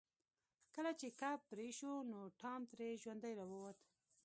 کله چې کب پرې شو نو ټام ترې ژوندی راووت.